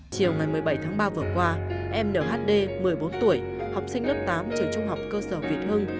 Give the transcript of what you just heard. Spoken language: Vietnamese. chiều ngày một mươi bảy tháng ba vừa qua em nữ hd một mươi bốn tuổi học sinh lớp tám trở trung học cơ sở việt hưng